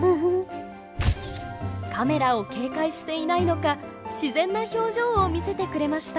カメラを警戒していないのか自然な表情を見せてくれました。